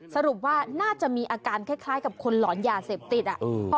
สรุปว่าน่าจะมีอาการคล้ายกับคนหลอนยาเสพติดอ่ะ